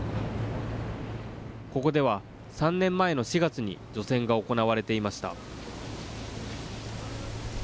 ここでは３年前の４月に除染が行われていました。